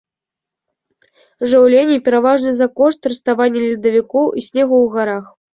Жыўленне пераважна за кошт раставання ледавікоў і снегу ў гарах.